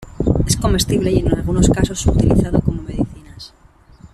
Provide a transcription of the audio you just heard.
Es comestible y en algunos casos utilizado como medicinas.